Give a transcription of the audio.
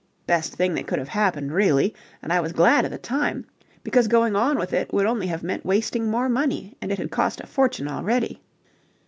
Best thing that could have happened, really, and I was glad at the time, because going on with it would only have meant wasting more money, and it had cost a fortune already.